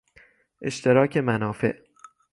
اشتراک منافع